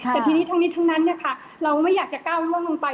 แต่ทีนี้ทั้งนี้ทั้งนั้นเราไม่อยากจะก้าวล่วงลงไป